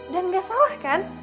dan gak salah kan